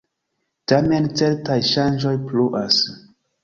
Tamen certaj ŝanĝoj pluas.